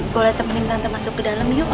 boleh temenin tante masuk ke dalam yuk